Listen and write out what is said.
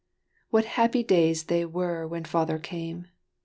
What happy days they were when father came!